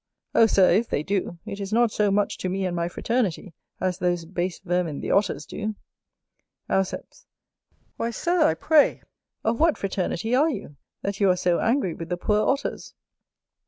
Oh, Sir, if they do, it is not so much to me and my fraternity, as those base vermin the Otters do. Auceps. Why, Sir, I pray, of what fraternity are you, that you are so angry with the poor Otters?